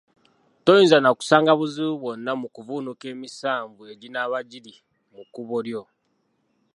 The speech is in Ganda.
Toyinza na kusanga buzibu bwonna mu kuvvuunuka emisanvu eginaaba giri mu kkubo lyo.